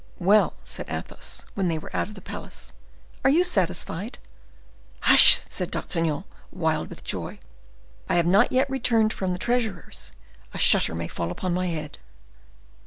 "Well," said Athos, when they were out of the palace, "are you satisfied?" "Hush!" said D'Artagnan, wild with joy, "I have not yet returned from the treasurer's—a shutter may fall upon my head."